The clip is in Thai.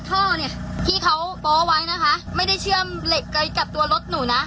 ท่อเนี่ยที่เขาโป๊ไว้นะคะไม่ได้เชื่อมเหล็กใกล้กับตัวรถหนูนะ